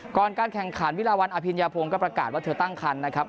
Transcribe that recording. ก่อนการแข่งขันวิราวัลอภิญญาโพงก็ประกาศว่าเธอตั้งครรภ์นะครับ